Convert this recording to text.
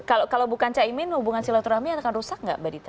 kalau bukan caimin hubungan silaturahmi akan rusak nggak mbak dita